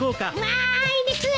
わいです！